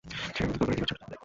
সে আমাদের দোরগোড়ায় কী করছে?